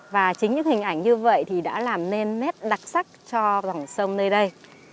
và chính những hình ảnh như vậy thì đã làm nên nét đặc sắc cho dòng sông nơi đây